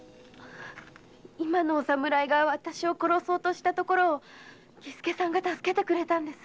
今のお侍がわたしを殺そうとしたところを儀助さんが助けてくれたんです。